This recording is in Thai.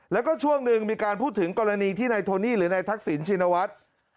แล้วก็ช่วงหนึ่งมีการพูดถึงกรณีที่นายโทนี่หรือนายทักษิณชินวัฒน์